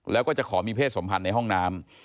แล้วก็จะขอมีเพศสมพันธ์ในห้องน้ำ